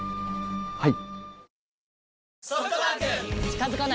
はい。